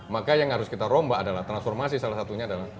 maka yang harus kita rombak adalah transformasi salah satunya adalah